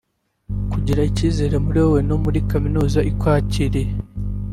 Kugira icyizere muri wowe no muri kaminuza ikwakiriye